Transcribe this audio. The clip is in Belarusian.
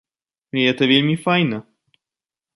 І гэта вельмі файна.